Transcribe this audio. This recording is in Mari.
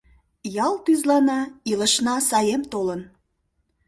«Ял тӱзлана, илышна саем толын.